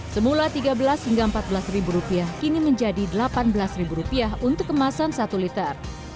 semula rp tiga belas hingga rp empat belas kini menjadi rp delapan belas untuk kemasan satu liter